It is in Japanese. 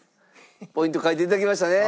ポイント書いて頂きましたね？